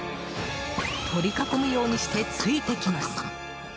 取り囲むようにしてついてきます。